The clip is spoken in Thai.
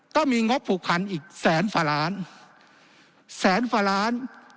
ก็มีงบผูกพันธุ์อีกแสนฝรานแสนฝราน